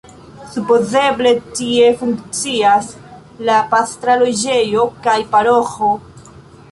Supozeble tie funkcias la pastra loĝejo kaj paroĥo.